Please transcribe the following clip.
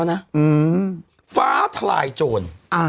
ศาษิภาคทรายโจร